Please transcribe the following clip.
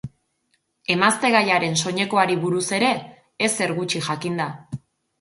Emaztegaiaren soinekoari buruz ere ezer gutxi jakin da.